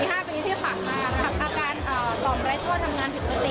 อาการต่อมรายทรัพย์ทำงานผิดปกตินะคะ